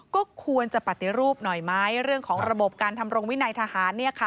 ก็ควรจะปฏิรูปหน่อยไหมเรื่องของระบบการทำรงวินัยทหาร